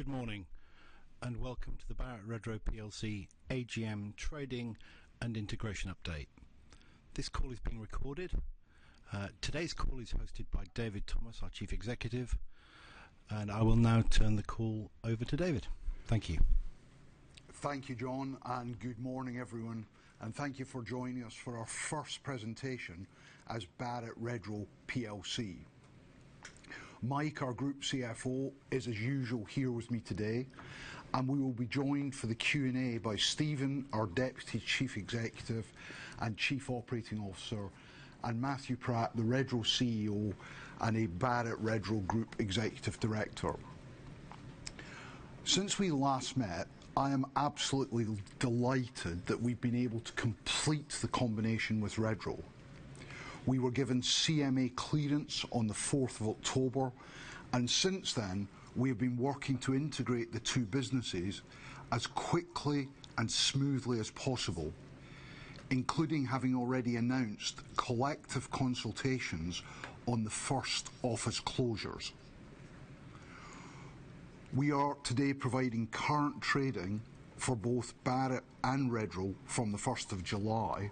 Good morning, and welcome to the Barratt Redrow PLC AGM trading and integration update. This call is being recorded. Today's call is hosted by David Thomas, our Chief Executive, and I will now turn the call over to David. Thank you. Thank you, John, and good morning, everyone, and thank you for joining us for our first presentation as Barratt Redrow PLC. Mike, our Group CFO, is as usual here with me today, and we will be joined for the Q&A by Steven, our Deputy Chief Executive and Chief Operating Officer, and Matthew Pratt, the Redrow CEO and a Barratt Redrow Group Executive Director. Since we last met, I am absolutely delighted that we've been able to complete the combination with Redrow. We were given CMA clearance on the fourth of October, and since then, we have been working to integrate the two businesses as quickly and smoothly as possible, including having already announced collective consultations on the first office closures. We are today providing current trading for both Barratt and Redrow from the first of July,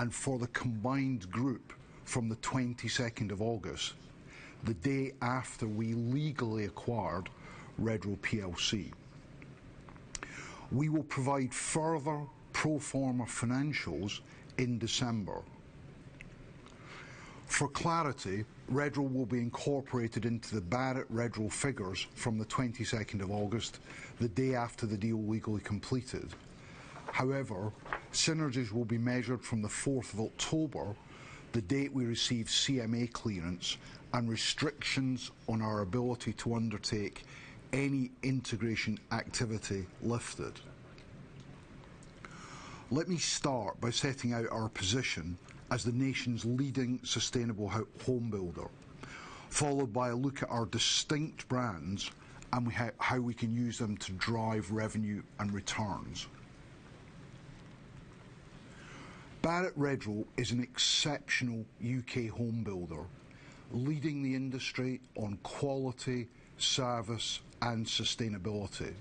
and for the combined group from the twenty-second of August, the day after we legally acquired Redrow PLC. We will provide further pro forma financials in December. For clarity, Redrow will be incorporated into the Barratt Redrow figures from the twenty-second of August, the day after the deal legally completed. However, synergies will be measured from the 4 October, the date we received CMA clearance and restrictions on our ability to undertake any integration activity lifted. Let me start by setting out our position as the nation's leading sustainable home builder, followed by a look at our distinct brands and how we can use them to drive revenue and returns. Barratt Redrow is an exceptional UK home builder, leading the industry on quality, service, and sustainability.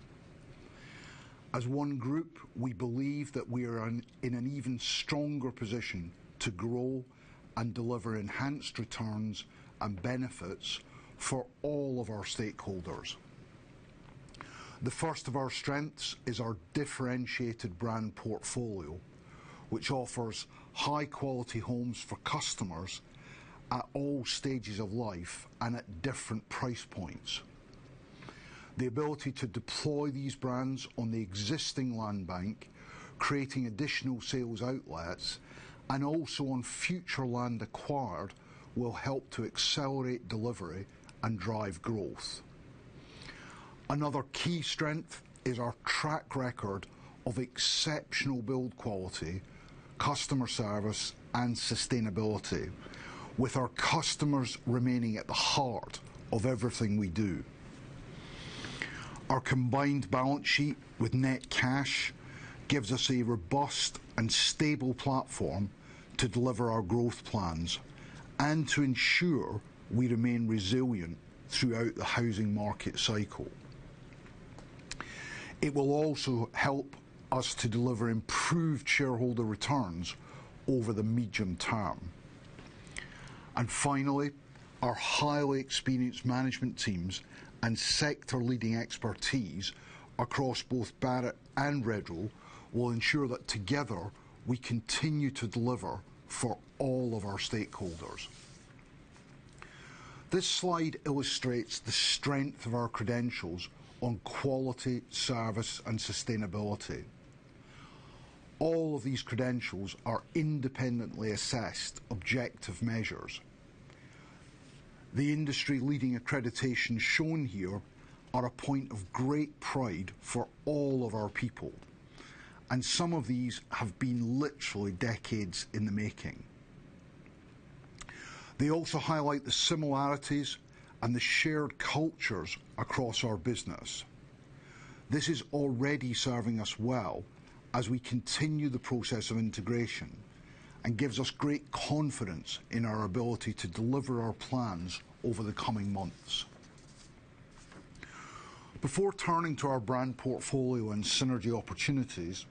As one group, we believe that we are in an even stronger position to grow and deliver enhanced returns and benefits for all of our stakeholders. The first of our strengths is our differentiated brand portfolio, which offers high-quality homes for customers at all stages of life and at different price points. The ability to deploy these brands on the existing land bank, creating additional sales outlets, and also on future land acquired, will help to accelerate delivery and drive growth. Another key strength is our track record of exceptional build quality, customer service, and sustainability, with our customers remaining at the heart of everything we do. Our combined balance sheet with net cash gives us a robust and stable platform to deliver our growth plans and to ensure we remain resilient throughout the housing market cycle. It will also help us to deliver improved shareholder returns over the medium term. And finally, our highly experienced management teams and sector leading expertise across both Barratt and Redrow will ensure that together, we continue to deliver for all of our stakeholders. This slide illustrates the strength of our credentials on quality, service, and sustainability. All of these credentials are independently assessed, objective measures. The industry leading accreditation shown here are a point of great pride for all of our people, and some of these have been literally decades in the making. They also highlight the similarities and the shared cultures across our business. This is already serving us well as we continue the process of integration, and gives us great confidence in our ability to deliver our plans over the coming months. Before turning to our brand portfolio and synergy opportunities,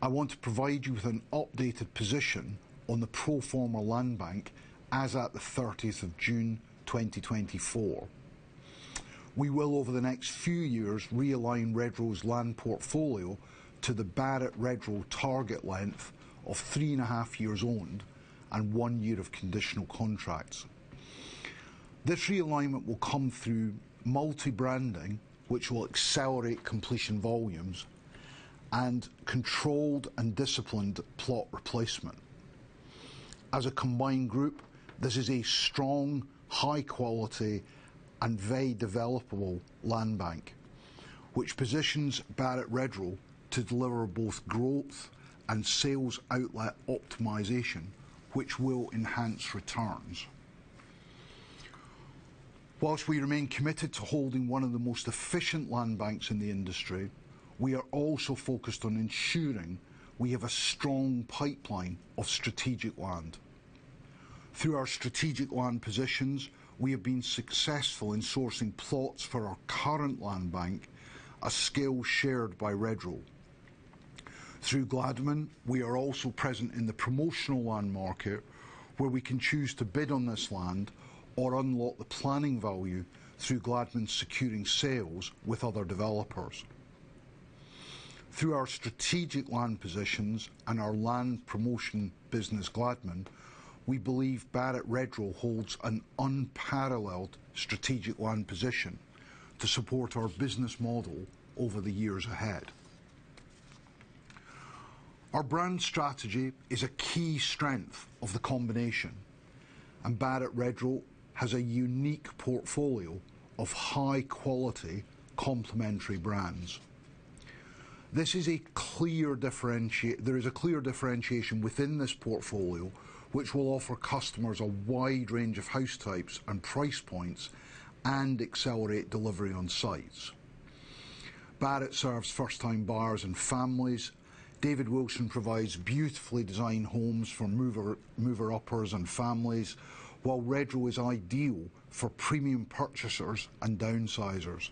I want to provide you with an updated position on the pro forma land bank as at the thirtieth of June, twenty twenty-four. We will, over the next few years, realign Redrow's land portfolio to the Barratt Redrow target length of three and a half years owned and one year of conditional contracts. This realignment will come through multi-branding, which will accelerate completion volumes and controlled and disciplined plot replacement. As a combined group, this is a strong, high quality, and very developable land bank, which positions Barratt Redrow to deliver both growth and sales outlet optimization, which will enhance returns. Whilst we remain committed to holding one of the most efficient land banks in the industry, we are also focused on ensuring we have a strong pipeline of strategic land.... Through our strategic land positions, we have been successful in sourcing plots for our current land bank, a skill shared by Redrow. Through Gladman, we are also present in the promotional land market, where we can choose to bid on this land or unlock the planning value through Gladman securing sales with other developers. Through our strategic land positions and our land promotion business, Gladman, we believe Barratt Redrow holds an unparalleled strategic land position to support our business model over the years ahead. Our brand strategy is a key strength of the combination, and Barratt Redrow has a unique portfolio of high quality, complementary brands. There is a clear differentiation within this portfolio, which will offer customers a wide range of house types and price points, and accelerate delivery on sites. Barratt serves first-time buyers and families. David Wilson provides beautifully designed homes for mover uppers and families, while Redrow is ideal for premium purchasers and downsizers,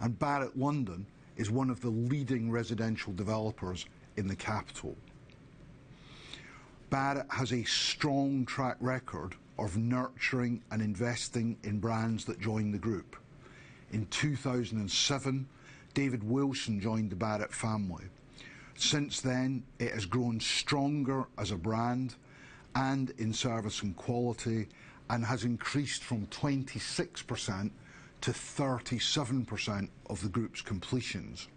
and Barratt London is one of the leading residential developers in the capital. Barratt has a strong track record of nurturing and investing in brands that join the group. In 2007, David Wilson joined the Barratt family. Since then, it has grown stronger as a brand and in service and quality, and has increased from 26% to 37% of the group's completions.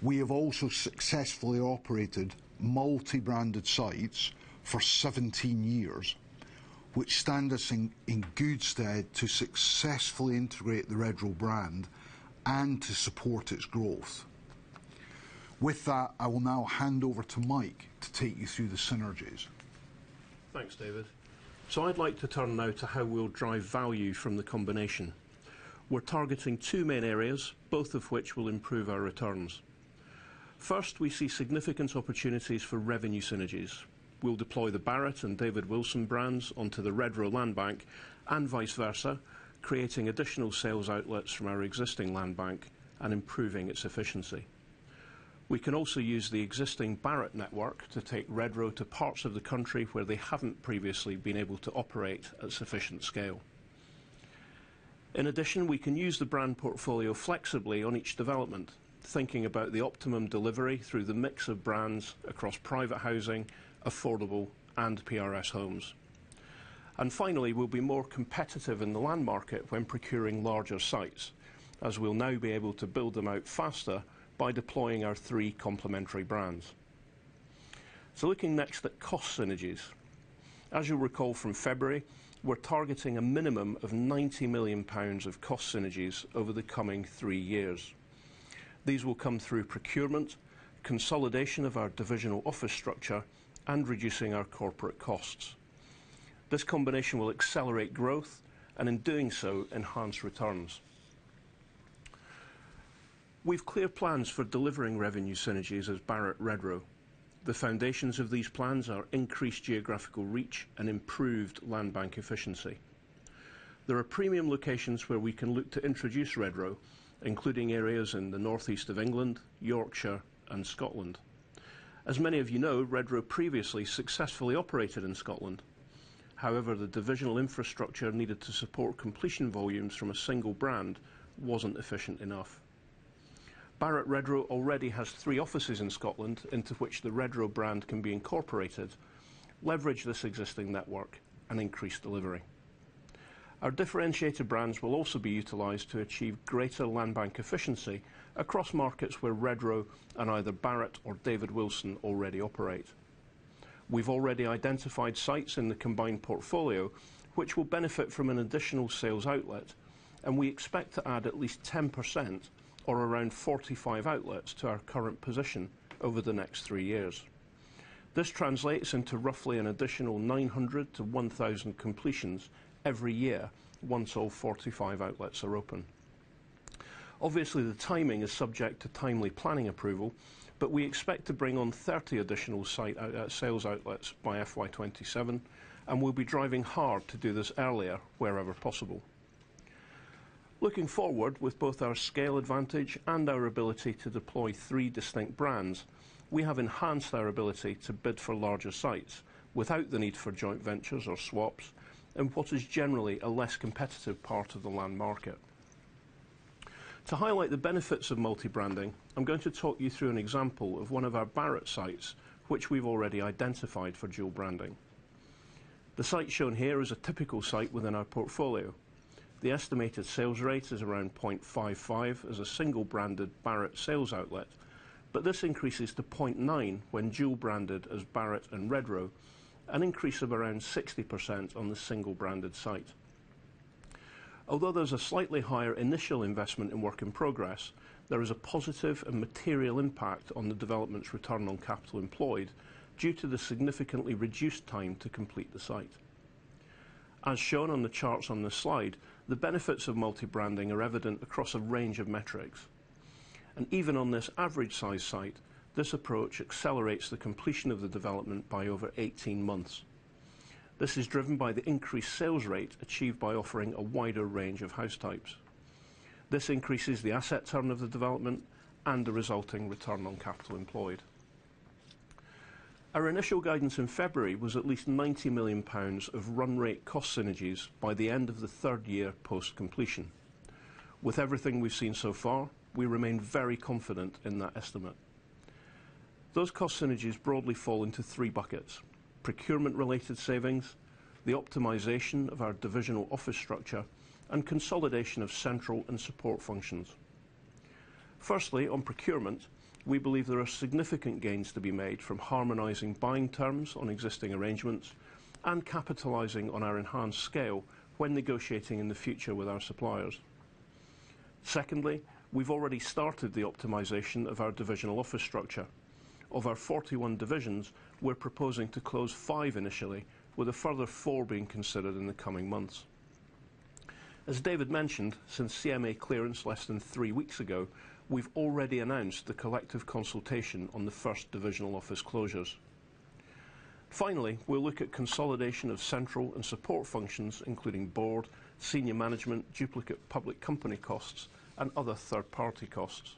We have also successfully operated multi-branded sites for 17 years, which stand us in good stead to successfully integrate the Redrow brand and to support its growth. With that, I will now hand over to Mike to take you through the synergies. Thanks, David. So I'd like to turn now to how we'll drive value from the combination. We're targeting two main areas, both of which will improve our returns. First, we see significant opportunities for revenue synergies. We'll deploy the Barratt and David Wilson brands onto the Redrow land bank, and vice versa, creating additional sales outlets from our existing land bank and improving its efficiency. We can also use the existing Barratt network to take Redrow to parts of the country where they haven't previously been able to operate at sufficient scale. In addition, we can use the brand portfolio flexibly on each development, thinking about the optimum delivery through the mix of brands across private housing, affordable, and PRS homes. Finally, we'll be more competitive in the land market when procuring larger sites, as we'll now be able to build them out faster by deploying our three complementary brands. Looking next at cost synergies. As you'll recall from February, we're targeting a minimum of 90 million pounds of cost synergies over the coming three years. These will come through procurement, consolidation of our divisional office structure, and reducing our corporate costs. This combination will accelerate growth, and in doing so, enhance returns. We've clear plans for delivering revenue synergies as Barratt Redrow. The foundations of these plans are increased geographical reach and improved land bank efficiency. There are premium locations where we can look to introduce Redrow, including areas in the Northeast of England, Yorkshire, and Scotland. As many of you know, Redrow previously successfully operated in Scotland. However, the divisional infrastructure needed to support completion volumes from a single brand wasn't efficient enough. Barratt Redrow already has three offices in Scotland into which the Redrow brand can be incorporated, leverage this existing network, and increase delivery. Our differentiated brands will also be utilized to achieve greater land bank efficiency across markets where Redrow and either Barratt or David Wilson already operate. We've already identified sites in the combined portfolio which will benefit from an additional sales outlet, and we expect to add at least 10% or around 45 outlets to our current position over the next three years. This translates into roughly an additional 900 to 1,000 completions every year, once all 45 outlets are open. Obviously, the timing is subject to timely planning approval, but we expect to bring on thirty additional site sales outlets by FY 2027, and we'll be driving hard to do this earlier wherever possible. Looking forward, with both our scale advantage and our ability to deploy three distinct brands, we have enhanced our ability to bid for larger sites without the need for joint ventures or swaps, in what is generally a less competitive part of the land market. To highlight the benefits of multi-branding, I'm going to talk you through an example of one of our Barratt sites, which we've already identified for dual branding. The site shown here is a typical site within our portfolio. The estimated sales rate is around 0.55 as a single branded Barratt sales outlet, but this increases to 0.9 when dual branded as Barratt and Redrow, an increase of around 60% on the single branded site. Although there's a slightly higher initial investment in work in progress, there is a positive and material impact on the development's return on capital employed due to the significantly reduced time to complete the site. As shown on the charts on this slide, the benefits of multi-branding are evident across a range of metrics, and even on this average size site, this approach accelerates the completion of the development by over 18 months. This is driven by the increased sales rate achieved by offering a wider range of house types. This increases the asset turn of the development and the resulting return on capital employed. Our initial guidance in February was at least 90 million pounds of run rate cost synergies by the end of the third year post-completion. With everything we've seen so far, we remain very confident in that estimate. Those cost synergies broadly fall into three buckets: procurement related savings, the optimization of our divisional office structure, and consolidation of central and support functions. Firstly, on procurement, we believe there are significant gains to be made from harmonizing buying terms on existing arrangements and capitalizing on our enhanced scale when negotiating in the future with our suppliers. Secondly, we've already started the optimization of our divisional office structure. Of our 41 divisions, we're proposing to close five initially, with a further four being considered in the coming months. As David mentioned, since CMA clearance less than three weeks ago, we've already announced the collective consultation on the first divisional office closures. Finally, we'll look at consolidation of central and support functions, including board, senior management, duplicate public company costs, and other third-party costs.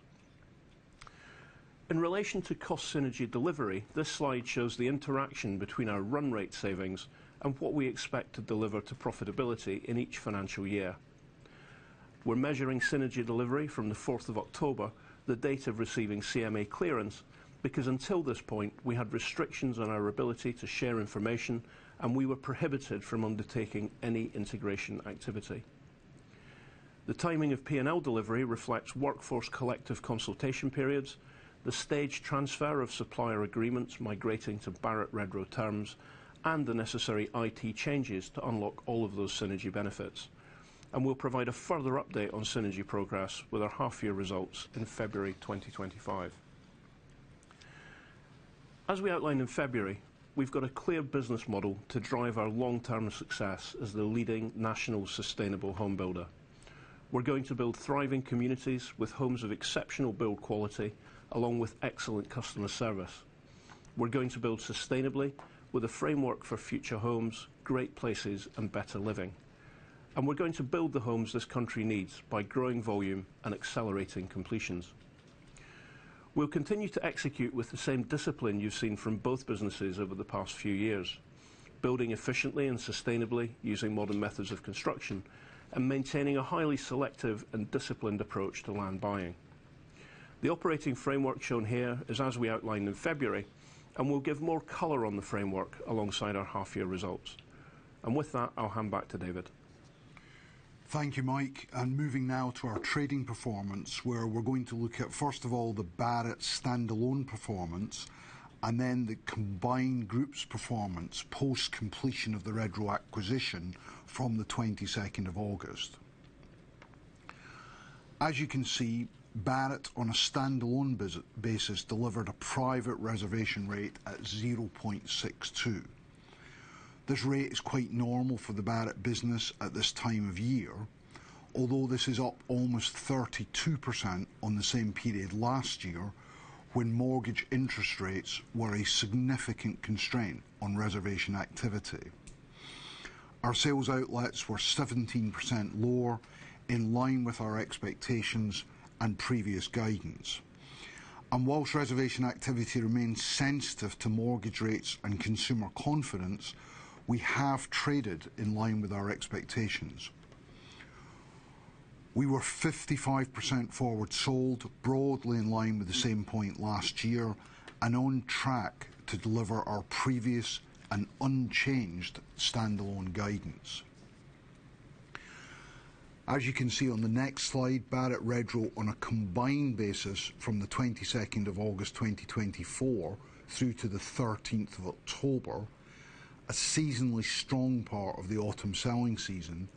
In relation to cost synergy delivery, this slide shows the interaction between our run rate savings and what we expect to deliver to profitability in each financial year. We're measuring synergy delivery from the fourth of October, the date of receiving CMA clearance, because until this point, we had restrictions on our ability to share information, and we were prohibited from undertaking any integration activity. The timing of P&L delivery reflects workforce collective consultation periods, the stage transfer of supplier agreements migrating to Barratt Redrow terms, and the necessary IT changes to unlock all of those synergy benefits, and we'll provide a further update on synergy progress with our half year results in February 2025. As we outlined in February, we've got a clear business model to drive our long-term success as the leading national sustainable home builder. We're going to build thriving communities with homes of exceptional build quality, along with excellent customer service. We're going to build sustainably with a framework for future homes, great places, and better living. And we're going to build the homes this country needs by growing volume and accelerating completions. We'll continue to execute with the same discipline you've seen from both businesses over the past few years, building efficiently and sustainably using modern methods of construction, and maintaining a highly selective and disciplined approach to land buying. The operating framework shown here is as we outlined in February, and we'll give more color on the framework alongside our half year results. And with that, I'll hand back to David. Thank you, Mike. Moving now to our trading performance, where we're going to look at, first of all, the Barratt standalone performance, and then the combined group's performance post completion of the Redrow acquisition from the twenty-second of August. As you can see, Barratt, on a standalone basis, delivered a private reservation rate at 0.62. This rate is quite normal for the Barratt business at this time of year, although this is up almost 32% on the same period last year, when mortgage interest rates were a significant constraint on reservation activity. Our sales outlets were 17% lower, in line with our expectations and previous guidance. While reservation activity remains sensitive to mortgage rates and consumer confidence, we have traded in line with our expectations. We were 55% forward sold, broadly in line with the same point last year, and on track to deliver our previous and unchanged standalone guidance. As you can see on the next slide, Barratt Redrow, on a combined basis, from the twenty-second of August 2024 through to the thirteenth of October, a seasonally strong part of the autumn selling season,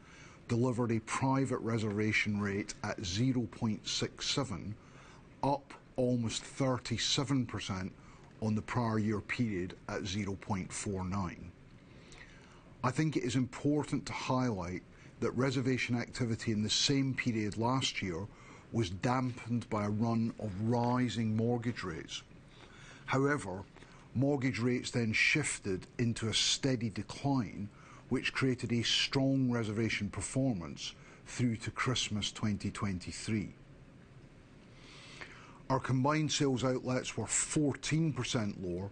delivered a private reservation rate at 0.67, up almost 37% on the prior year period at 0.49. I think it is important to highlight that reservation activity in the same period last year was dampened by a run of rising mortgage rates. However, mortgage rates then shifted into a steady decline, which created a strong reservation performance through to Christmas 2023. Our combined sales outlets were 14% lower,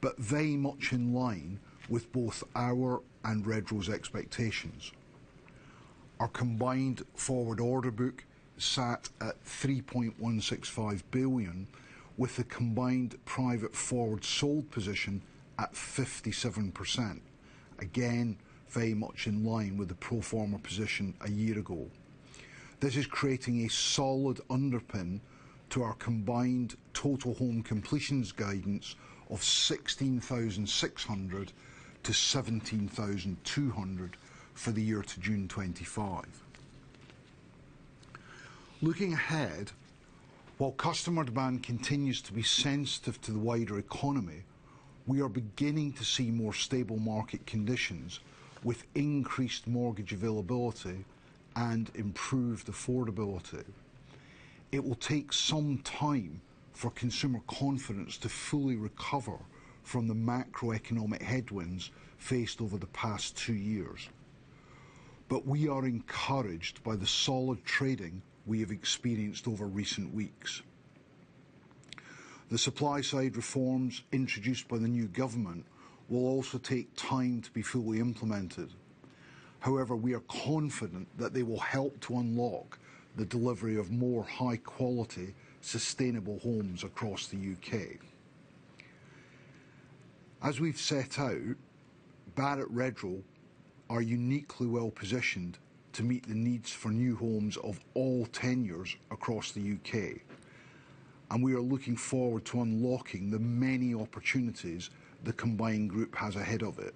but very much in line with both our and Redrow's expectations. Our combined forward order book sat at £3.165 billion, with a combined private forward sold position at 57%. Again, very much in line with the pro forma position a year ago. This is creating a solid underpin to our combined total home completions guidance of 16,600-17,200 for the year to June 2025. Looking ahead, while customer demand continues to be sensitive to the wider economy, we are beginning to see more stable market conditions, with increased mortgage availability and improved affordability. It will take some time for consumer confidence to fully recover from the macroeconomic headwinds faced over the past two years. But we are encouraged by the solid trading we have experienced over recent weeks. The supply side reforms introduced by the new government will also take time to be fully implemented. However, we are confident that they will help to unlock the delivery of more high quality, sustainable homes across the UK As we've set out, Barratt Redrow are uniquely well-positioned to meet the needs for new homes of all tenures across the UK, and we are looking forward to unlocking the many opportunities the combined group has ahead of it.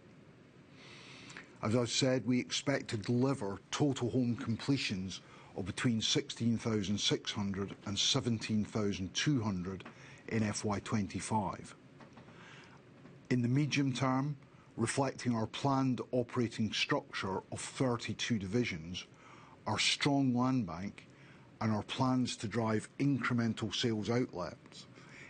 As I've said, we expect to deliver total home completions of between 16,600 and 17,200 in FY 2025. In the medium term, reflecting our planned operating structure of 32 divisions, our strong land bank and our plans to drive incremental sales outlets,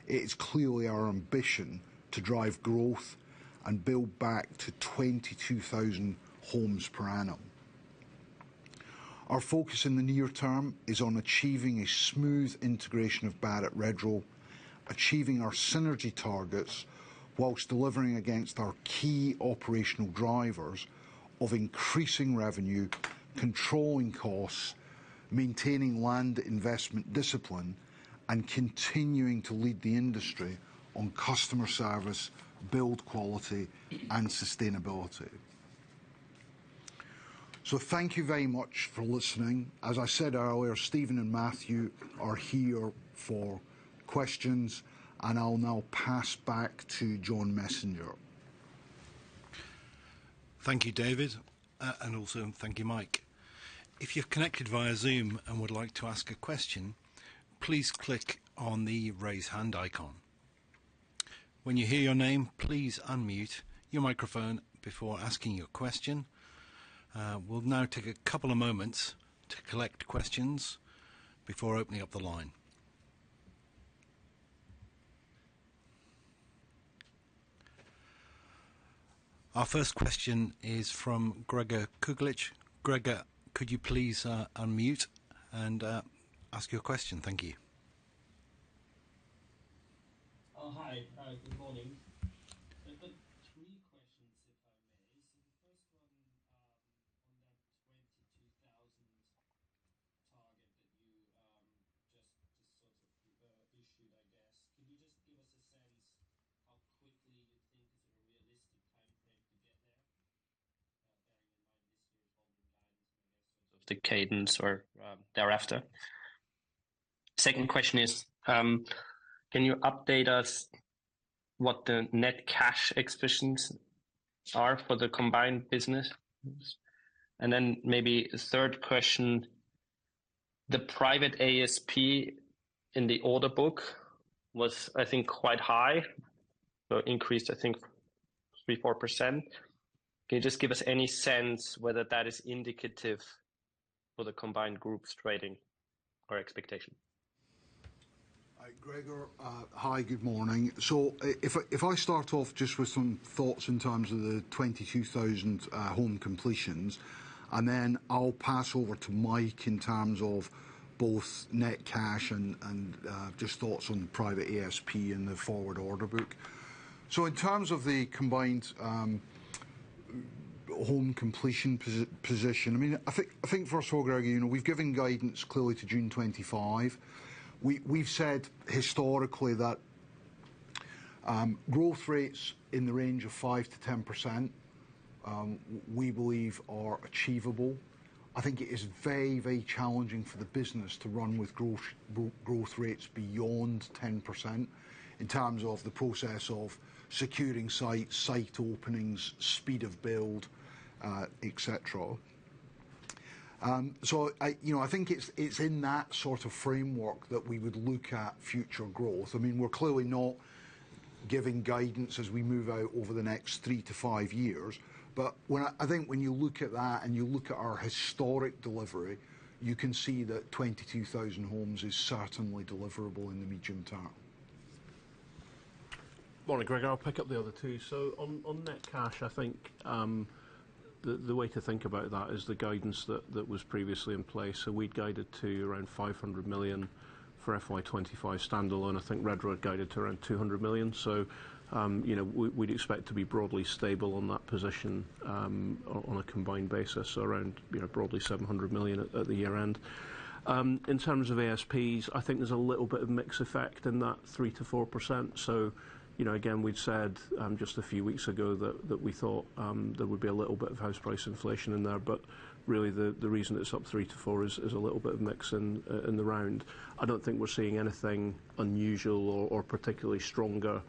it is clearly our ambition to drive growth and build back to 22,000 homes per annum. Our focus in the near term is on achieving a smooth integration of Barratt Redrow, achieving our synergy targets, whilst delivering against our key operational drivers of increasing revenue, controlling costs, maintaining land investment discipline, and continuing to lead the industry on customer service, build quality, and sustainability. So thank you very much for listening. As I said earlier, Steven and Matthew are here for questions, and I'll now pass back to John Messenger. Thank you, David, and also thank you, Mike. If you've connected via Zoom and would like to ask a question, please click on the Raise Hand icon. When you hear your name, please unmute your microphone before asking your question. We'll now take a couple of moments to collect questions before opening up the line. Our first question is from Gregor Kuglitsch. Gregor, could you please unmute and ask your question? Thank you. Oh, hi. Good morning. I've got three questions, if I may. So the first one, on that 22,000 target that you just sort of issued, I guess. Can you just give us a sense how quickly you think is a realistic timeframe to get there? Bearing in mind this year, sort of, guidance and sort of the cadence or thereafter. Second question is, can you update us what the net cash expectations are for the combined business? And then maybe a third question, the private ASP in the order book was, I think, quite high, increased, I think, 3% to 4%. Can you just give us any sense whether that is indicative for the combined group's trading or expectation? Hi, Gregor. Hi, good morning. So if I start off just with some thoughts in terms of the 22,000 home completions, and then I'll pass over to Mike in terms of both net cash and just thoughts on the private ASP and the forward order book. So in terms of the combined home completion position, I mean, I think first of all, Gregor, you know, we've given guidance clearly to June 2025. We've said historically that growth rates in the range of 5% to 10% we believe are achievable. I think it is very, very challenging for the business to run with growth rates beyond 10%, in terms of the process of securing sites, site openings, speed of build, et cetera. So you know, I think it's in that sort of framework that we would look at future growth. I mean, we're clearly not giving guidance as we move out over the next three to five years. But I think when you look at that and you look at our historic delivery, you can see that twenty-two thousand homes is certainly deliverable in the medium term. Morning, Gregor. I'll pick up the other two. So on net cash, I think, the way to think about that is the guidance that was previously in place. So we'd guided to around 500 million for FY 2025 standalone. I think Redrow guided to around 200 million. So, you know, we'd expect to be broadly stable on that position, on a combined basis, around, you know, broadly 700 million at the year end. In terms of ASPs, I think there's a little bit of mix effect in that 3% to 4%. So, you know, again, we'd said just a few weeks ago that we thought there would be a little bit of house price inflation in there, but really the reason it's up three-to-four is a little bit of mix in the round. I don't think we're seeing anything unusual or particularly stronger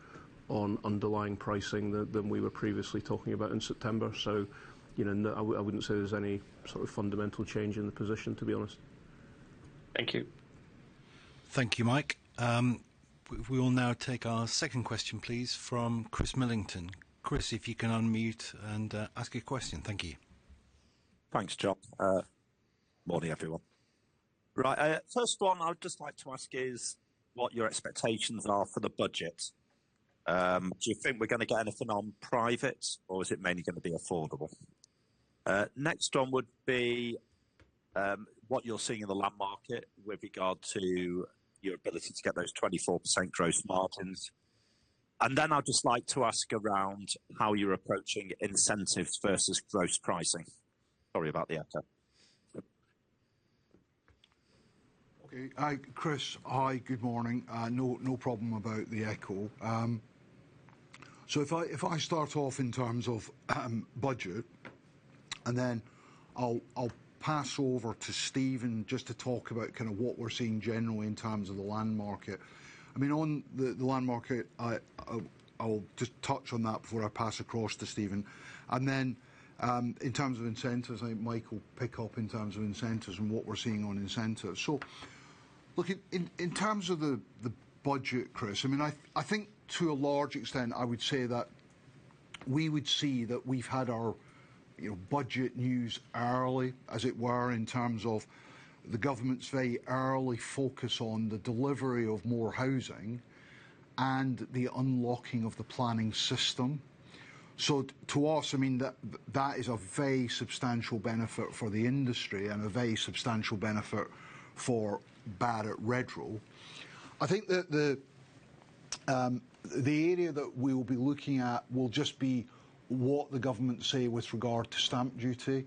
on underlying pricing than we were previously talking about in September. So, you know, I wouldn't say there's any sort of fundamental change in the position, to be honest. Thank you.... Thank you, Mike. We will now take our second question, please, from Chris Millington. Chris, if you can unmute and ask your question. Thank you. Thanks, John. Morning, everyone. Right, first one I would just like to ask is what your expectations are for the budget. Do you think we're going to get anything on private, or is it mainly going to be affordable? Next one would be, what you're seeing in the land market with regard to your ability to get those 24% gross margins. And then I'd just like to ask around how you're approaching incentives versus gross pricing. Sorry about the echo. Okay. Hi, Chris. Hi, good morning. No, no problem about the echo. So if I start off in terms of budget, and then I'll pass over to Steven, just to talk about kind of what we're seeing generally in terms of the land market. I mean, on the land market, I'll just touch on that before I pass across to Steven. And then, in terms of incentives, I think Mike will pick up in terms of incentives and what we're seeing on incentives. So look, in terms of the budget, Chris, I mean, I think to a large extent, I would say that we would see that we've had our, you know, budget news early, as it were, in terms of the government's very early focus on the delivery of more housing and the unlocking of the planning system. So to us, I mean, that is a very substantial benefit for the industry and a very substantial benefit for Barratt Redrow. I think that the area that we will be looking at will just be what the government say with regard to stamp duty.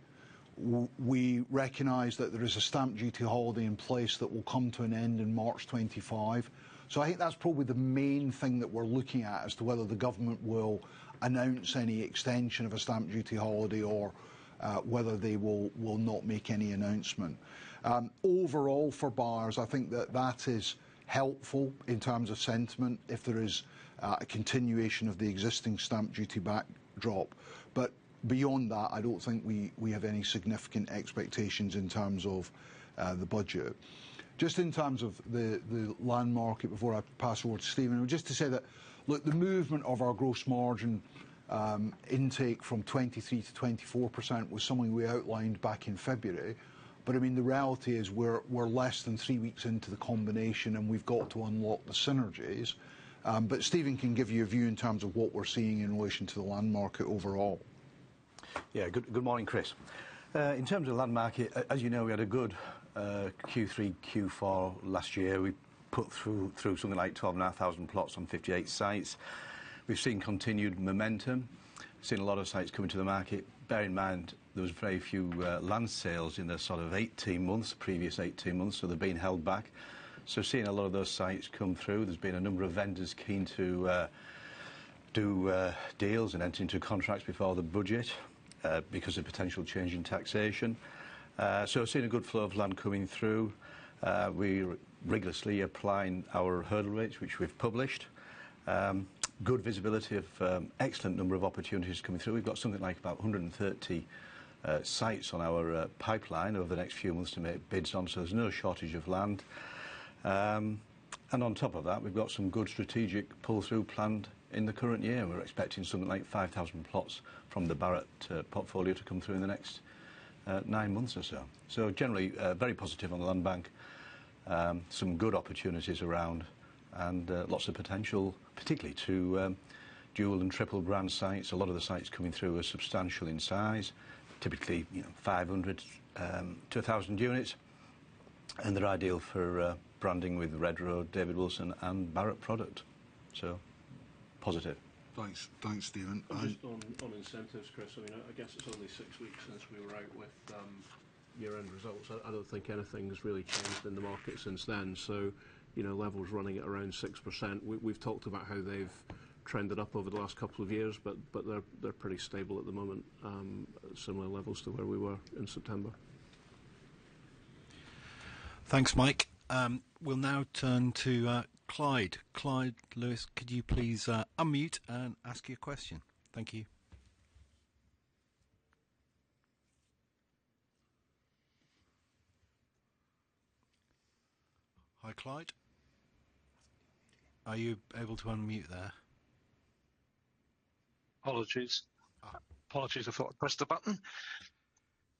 We recognize that there is a stamp duty holiday in place that will come to an end in March 2025. I think that's probably the main thing that we're looking at, as to whether the government will announce any extension of a stamp duty holiday or whether they will not make any announcement. Overall, for Barratt, I think that is helpful in terms of sentiment, if there is a continuation of the existing stamp duty backdrop. But beyond that, I don't think we have any significant expectations in terms of the budget. Just in terms of the land market, before I pass over to Steven, just to say that, look, the movement of our gross margin increase from 23% to 24% was something we outlined back in February. But I mean, the reality is we're less than three weeks into the combination, and we've got to unlock the synergies. But Steven can give you a view in terms of what we're seeing in relation to the land market overall. Yeah. Good morning, Chris. In terms of land market, as you know, we had a good Q3, Q4 last year. We put through something like 12.5 thousand plots on 58 sites. We've seen continued momentum. We've seen a lot of sites coming to the market. Bear in mind, there was very few land sales in the sort of 18 months, previous 18 months, so they're being held back. So we've seen a lot of those sites come through. There's been a number of vendors keen to do deals and enter into contracts before the budget because of potential change in taxation. So we've seen a good flow of land coming through. We're rigorously applying our hurdle rates, which we've published. Good visibility of excellent number of opportunities coming through. We've got something like about 130 sites on our pipeline over the next few months to make bids on, so there's no shortage of land, and on top of that, we've got some good strategic pull-through planned in the current year. We're expecting something like 5,000 plots from the Barratt portfolio to come through in the next nine months or so, so generally very positive on the land bank. Some good opportunities around and lots of potential, particularly to dual and triple brand sites. A lot of the sites coming through are substantial in size, typically, you know, 500 to 1,000 units, and they're ideal for branding with Redrow, David Wilson and Barratt product, so positive. Thanks. Thanks, Steven. Just on incentives, Chris. I mean, I guess it's only six weeks since we were out with year-end results. I don't think anything's really changed in the market since then. So, you know, levels running at around 6%. We've talked about how they've trended up over the last couple of years, but they're pretty stable at the moment, similar levels to where we were in September. Thanks, Mike. We'll now turn to Clyde. Clyde Lewis, could you please unmute and ask your question? Thank you. Hi, Clyde. Are you able to unmute there? Apologies. Apologies, I thought I pressed the button.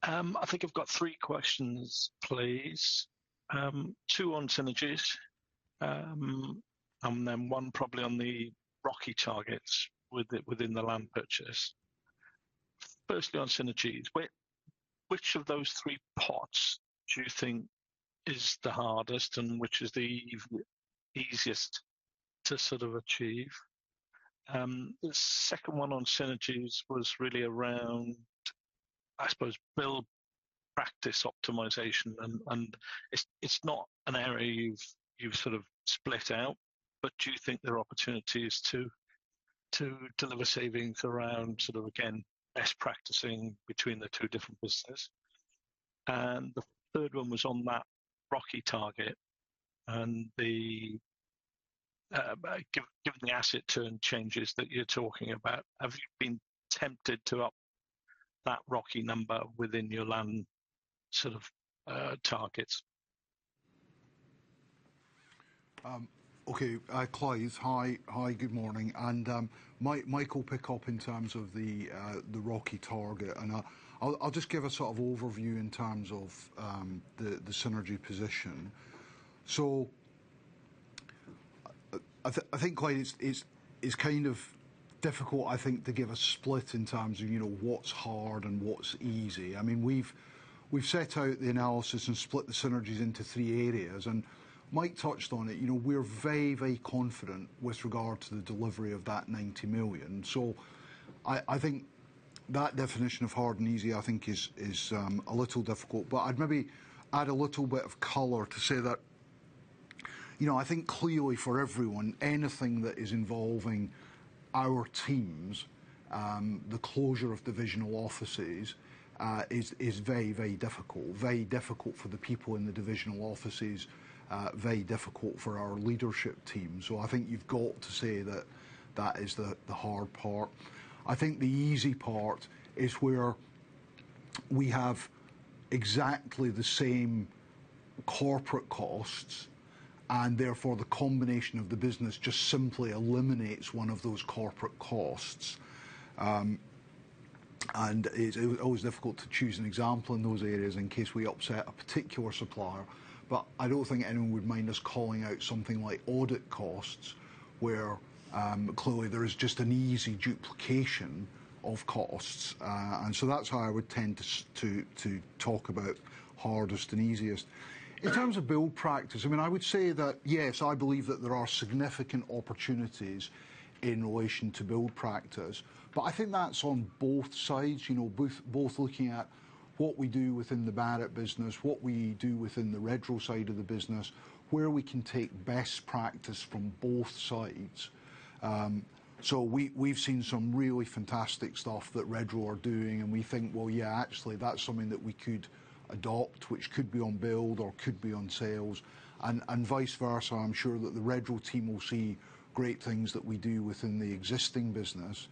I think I've got three questions, please. Two on synergies, and then one probably on the ROCE targets within the land purchase. Firstly, on synergies. Which of those three parts do you think is the hardest, and which is the easiest to sort of achieve? The second one on synergies was really around, I suppose, best practice optimization, and it's not an area you've sort of split out, but do you think there are opportunities to deliver savings around sort of, again, best practicing between the two different businesses? And the third one was on that ROCE target and given the asset turn changes that you're talking about, have you been tempted to up that ROCE number within your land sort of targets? Okay, Clyde, hi. Hi, good morning, and Mike will pick up in terms of the ROCE target, and I'll just give a sort of overview in terms of the synergy position. So I think, Clyde, it's kind of difficult, I think, to give a split in terms of, you know, what's hard and what's easy. I mean, we've set out the analysis and split the synergies into three areas, and Mike touched on it. You know, we're very confident with regard to the delivery of that £90 million. So I think that definition of hard and easy, I think, is a little difficult. But I'd maybe add a little bit of color to say that, you know, I think clearly for everyone, anything that is involving our teams, the closure of divisional offices, is very, very difficult. Very difficult for the people in the divisional offices, very difficult for our leadership team. So I think you've got to say that that is the hard part. I think the easy part is where we have exactly the same corporate costs, and therefore, the combination of the business just simply eliminates one of those corporate costs. And it's always difficult to choose an example in those areas in case we upset a particular supplier. But I don't think anyone would mind us calling out something like audit costs, where, clearly there is just an easy duplication of costs. And so that's how I would tend to talk about hardest and easiest. In terms of build practice, I mean, I would say that, yes, I believe that there are significant opportunities in relation to build practice. But I think that's on both sides, you know, both looking at what we do within the Barratt business, what we do within the Redrow side of the business, where we can take best practice from both sides. So we've seen some really fantastic stuff that Redrow are doing, and we think, well, yeah, actually, that's something that we could adopt, which could be on build or could be on sales, and vice versa. I'm sure that the Redrow team will see great things that we do within the existing business.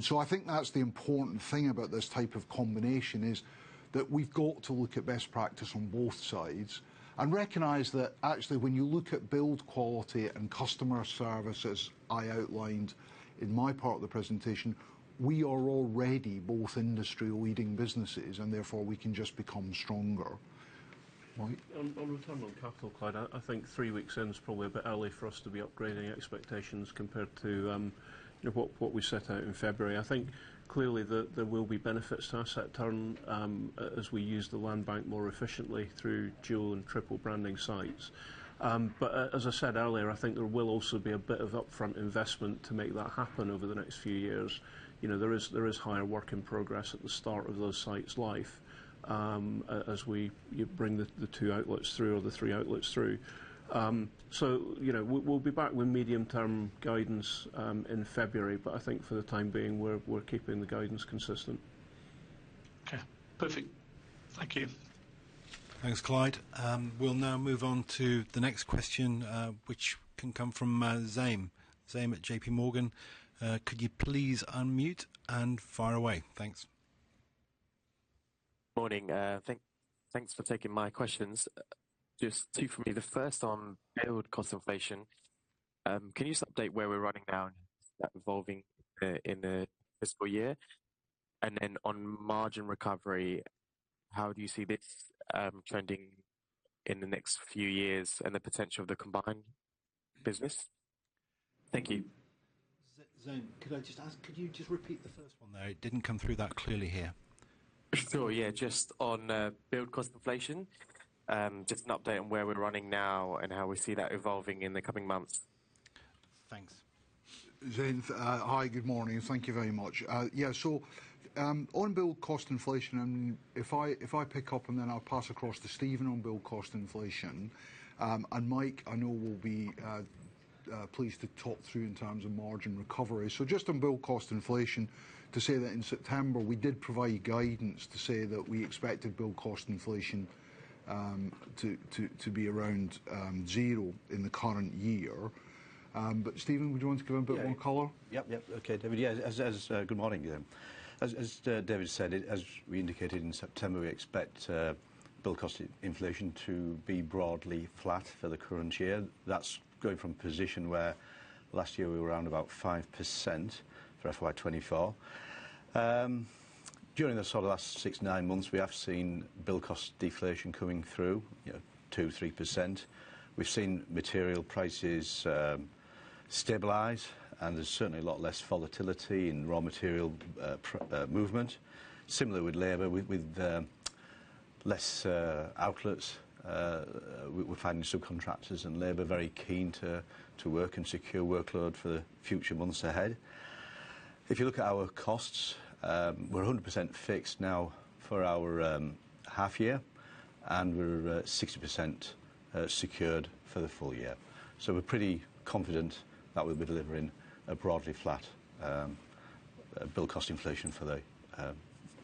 So I think that's the important thing about this type of combination, is that we've got to look at best practice on both sides and recognize that actually, when you look at build quality and customer service, as I outlined in my part of the presentation, we are already both industry-leading businesses, and therefore we can just become stronger. Mike? On return on capital, Clyde, I think three weeks in is probably a bit early for us to be upgrading expectations compared to, you know, what we set out in February. I think clearly there will be benefits to asset turn, as we use the land bank more efficiently through dual and triple branding sites, but as I said earlier, I think there will also be a bit of upfront investment to make that happen over the next few years. You know, there is higher work in progress at the start of those sites' life, as we bring the two outlets through or the three outlets through, so you know, we'll be back with medium-term guidance in February, but I think for the time being, we're keeping the guidance consistent. Okay, perfect. Thank you. Thanks, Clyde. We'll now move on to the next question, which can come from Zain. Zain at JPMorgan, could you please unmute and fire away? Thanks. Morning, thanks for taking my questions. Just two for me. The first on build cost inflation. Can you just update where we're running now, evolving in the fiscal year? And then on margin recovery, how do you see this trending in the next few years and the potential of the combined business? Thank you. Zain, could I just ask, could you just repeat the first one there? It didn't come through that clearly here. Sure, yeah. Just on build cost inflation, just an update on where we're running now and how we see that evolving in the coming months. Thanks. Zain, hi, good morning. Thank you very much. Yeah, so, on build cost inflation, and if I pick up, and then I'll pass across to Steven on build cost inflation, and Mike, I know, will be pleased to talk through in terms of margin recovery. So just on build cost inflation, to say that in September, we did provide guidance to say that we expected build cost inflation to be around zero in the current year. But Steven, would you want to give a bit more color? Yep, yep. Okay, David. Yeah, as David said, as we indicated in September, we expect build cost inflation to be broadly flat for the current year. That's going from a position where last year we were around about 5% for FY 2024. During the sort of last six, nine months, we have seen build cost deflation coming through, you know, 2 to 3%. We've seen material prices stabilize, and there's certainly a lot less volatility in raw material movement. Similarly with labor, with less outlets, we're finding subcontractors and labor very keen to work and secure workload for the future months ahead. If you look at our costs, we're 100% fixed now for our half year, and we're 60% secured for the full year. So we're pretty confident that we'll be delivering a broadly flat,... build cost inflation for the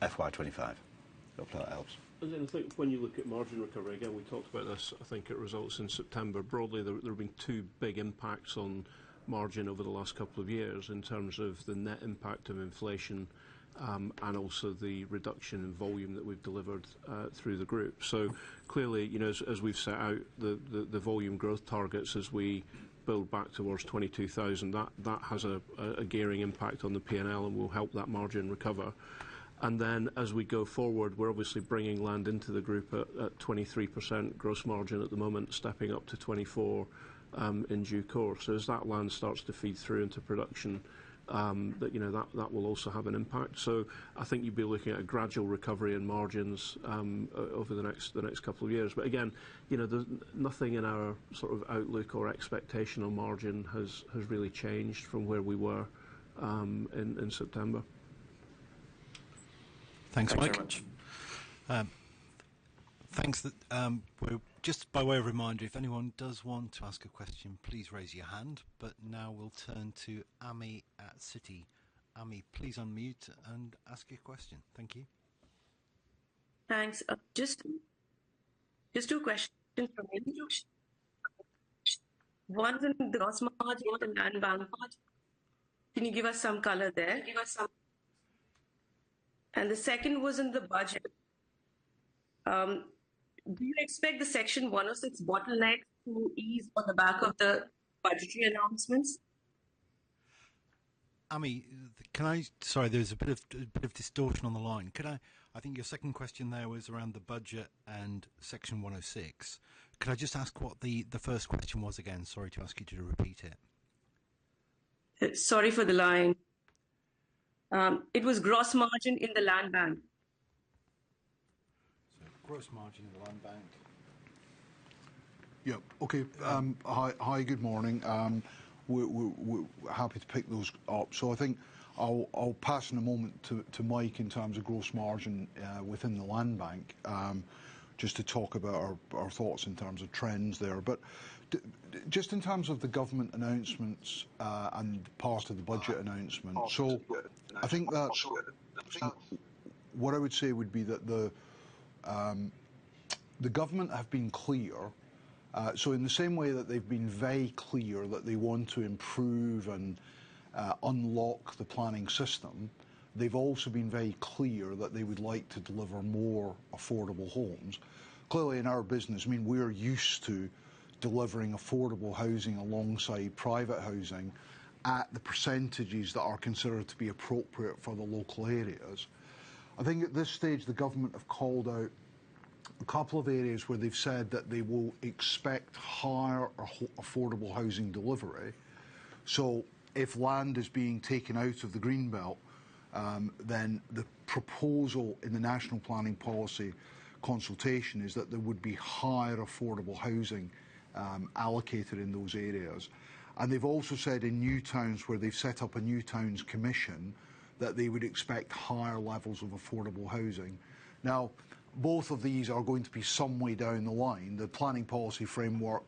FY 2025. Hope that helps. And then I think when you look at margin recovery, again, we talked about this, I think, at results in September. Broadly, there have been two big impacts on margin over the last couple of years in terms of the net impact of inflation, and also the reduction in volume that we've delivered through the group. So clearly, you know, as we've set out, the volume growth targets as we build back towards twenty-two thousand, that has a gearing impact on the PNL and will help that margin recover. And then, as we go forward, we're obviously bringing land into the group at 23% gross margin at the moment, stepping up to 24%, in due course. So as that land starts to feed through into production, that, you know, that will also have an impact. So I think you'd be looking at a gradual recovery in margins over the next couple of years. But again, you know, there's nothing in our sort of outlook or expectational margin has really changed from where we were in September. Thanks, Mike. Thanks very much. Thanks. Just by way of reminder, if anyone does want to ask a question, please raise your hand. But now we'll turn to Ami at Citi. Ami, please unmute and ask your question. Thank you. Thanks. Just two questions from me. One's in the gross margin and land bank margin. Can you give us some color there? Give us some... And the second was in the budget. Do you expect the Section 106 bottlenecks to ease on the back of the budgetary announcements? Ami, can I... Sorry, there's a bit of distortion on the line. Could I... I think your second question there was around the budget and Section 106. Could I just ask what the first question was again? Sorry to ask you to repeat it. Sorry for the line. It was gross margin in the land bank. So gross margin in the land bank. Yeah. Okay. Hi, hi, good morning. We're happy to pick those up. So I think I'll pass in a moment to Mike in terms of gross margin within the land bank, just to talk about our thoughts in terms of trends there. But just in terms of the government announcements and part of the budget announcement, so I think that's what I would say would be that the government have been clear, so in the same way that they've been very clear that they want to improve and unlock the planning system, they've also been very clear that they would like to deliver more affordable homes. Clearly, in our business, I mean, we're used to delivering affordable housing alongside private housing at the percentages that are considered to be appropriate for the local areas. I think at this stage, the government have called out a couple of areas where they've said that they will expect higher affordable housing delivery, so if land is being taken out of the green belt, then the proposal in the national planning policy consultation is that there would be higher affordable housing allocated in those areas, and they've also said in new towns, where they've set up a New Towns Commission, that they would expect higher levels of affordable housing. Now, both of these are going to be some way down the line. The National Planning Policy Framework,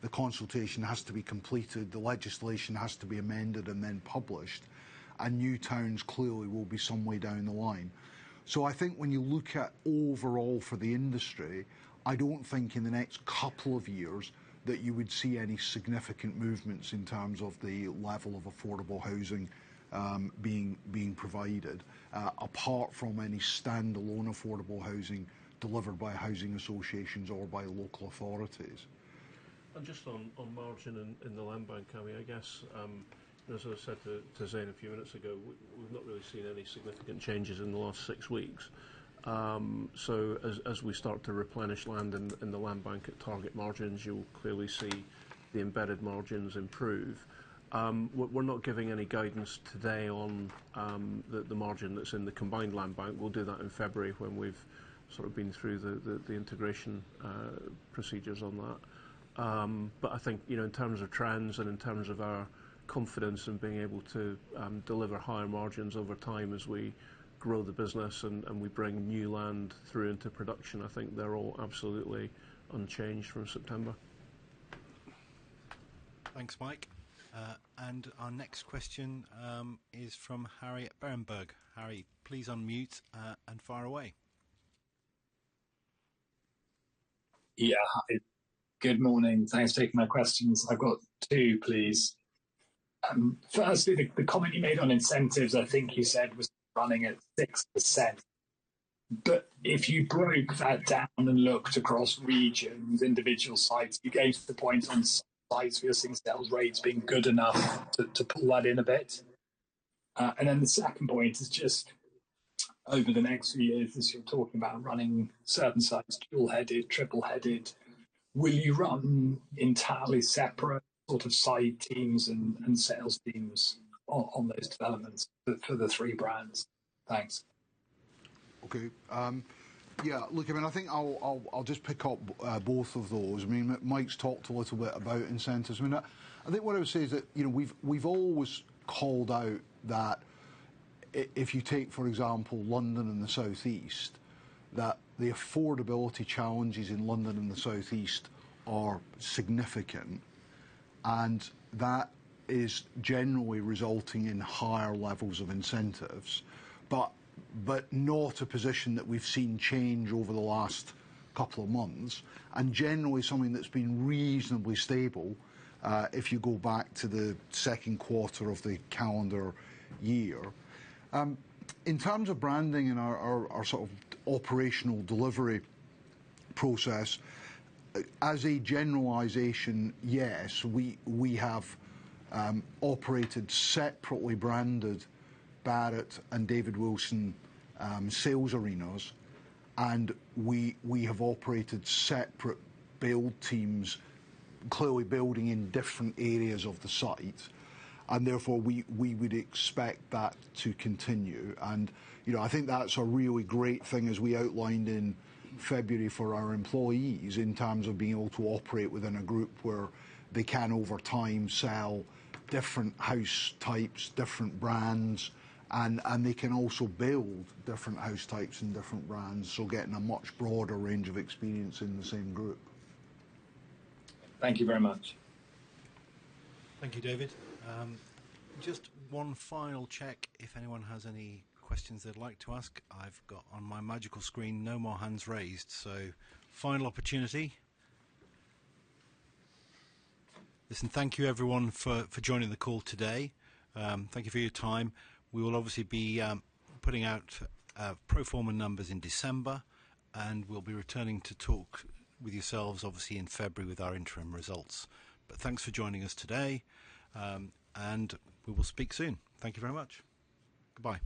the consultation has to be completed, the legislation has to be amended and then published, and new towns clearly will be some way down the line. So I think when you look at overall for the industry, I don't think in the next couple of years that you would see any significant movements in terms of the level of affordable housing, being provided, apart from any standalone affordable housing delivered by housing associations or by local authorities. Just on margin in the land bank, Ami, I guess, as I said to Zain a few minutes ago, we've not really seen any significant changes in the last six weeks. So as we start to replenish land in the land bank at target margins, you'll clearly see the embedded margins improve. We're not giving any guidance today on the margin that's in the combined land bank. We'll do that in February when we've sort of been through the integration procedures on that, but I think, you know, in terms of trends and in terms of our confidence in being able to deliver higher margins over time as we grow the business and we bring new land through into production, I think they're all absolutely unchanged from September. Thanks, Mike. Our next question is from Harry at Berenberg. Harry, please unmute, and fire away. Yeah, hi. Good morning. Thanks for taking my questions. I've got two, please. Firstly, the comment you made on incentives, I think you said, was running at 6%. But if you broke that down and looked across regions, individual sites, you gave to the point on sites where you're seeing sales rates being good enough to pull that in a bit. And then the second point is just over the next few years, as you're talking about running certain sites, dual-headed, triple-headed, will you run entirely separate sort of site teams and sales teams on those developments for the three brands? Thanks. Okay. Yeah, look, I mean, I think I'll just pick up both of those. I mean, Mike's talked a little bit about incentives. I mean, I think what I would say is that, you know, we've always called out that if you take, for example, London and the Southeast, that the affordability challenges in London and the Southeast are significant, and that is generally resulting in higher levels of incentives, but not a position that we've seen change over the last couple of months, and generally something that's been reasonably stable, if you go back to the second quarter of the calendar year. In terms of branding and our sort of operational delivery process, as a generalization, yes, we have operated separately branded Barratt and David Wilson sales arenas, and we have operated separate build teams, clearly building in different areas of the site, and therefore, we would expect that to continue, and you know, I think that's a really great thing, as we outlined in February, for our employees in terms of being able to operate within a group where they can, over time, sell different house types, different brands, and they can also build different house types and different brands, so getting a much broader range of experience in the same group. Thank you very much. Thank you, David. Just one final check if anyone has any questions they'd like to ask. I've got on my magical screen, no more hands raised, so final opportunity. Listen, thank you, everyone, for joining the call today. Thank you for your time. We will obviously be putting out pro forma numbers in December, and we'll be returning to talk with yourselves, obviously, in February with our interim results. But thanks for joining us today, and we will speak soon. Thank you very much. Goodbye.